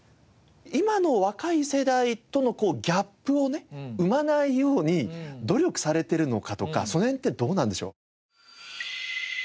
今の若い世代とのギャップをね生まないように努力されてるのかとかその辺ってどうなんでしょう？